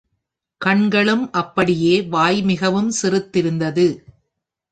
கண்களும் அப்படியே வாய் மிகவும் சிறுத்திருந்தது.